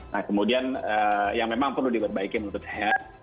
nah kemudian yang memang perlu diperbaiki menurut saya